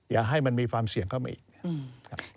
อย่าให้มีความเสี่ยงเข้ามาอีก